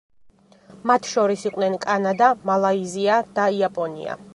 მათ შორის იყვნენ კანადა, მალაიზია და იაპონია.